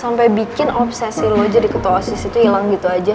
sampai bikin obsesi lo jadi ketua osis itu hilang gitu aja